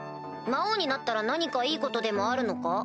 魔王になったら何かいいことでもあるのか？